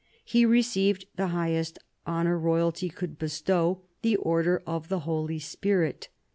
He received the highest honour Royalty could bestow, the Order of the Holy Spirit.